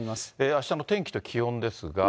あしたの天気と気温ですが。